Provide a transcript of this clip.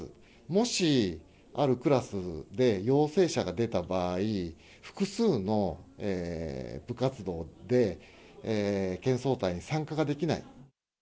もしあるクラスで陽性者が出た場合、複数の部活動で県総体に参加ができない。